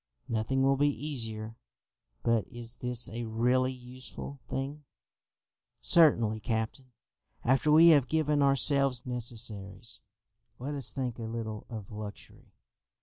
"Nothing will be easier; but is this a really useful thing?" "Certainly, captain. After we have given ourselves necessaries, let us think a little of luxury.